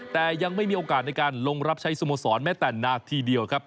แต่ยังไม่มีโอกาสในการลงรับใช้สโมสรแม้แต่นาทีเดียวครับ